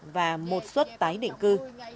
và một suất tái định cư